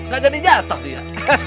gak jadi jatoh dia